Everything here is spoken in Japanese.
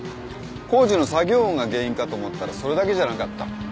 工事の作業音が原因かと思ったらそれだけじゃなかった。